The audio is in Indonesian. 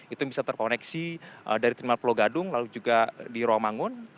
itu bisa terkoneksi dari ternal pulau gadung lalu juga di ruang mangun